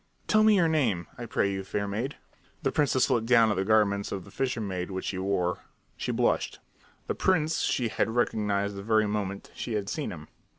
"Tell me your name, I pray you, fair maid." The princess looked down at the garments of the fisher maid which she wore. She blushed. The prince she had recognized the very moment she had seen him.